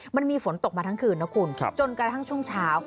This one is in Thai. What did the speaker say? มันมีฝนตกมาทั้งคืนนะคุณจนกระทั่งช่วงเช้า